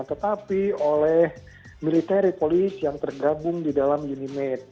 tetapi oleh militeri polis yang tergabung di dalam unimas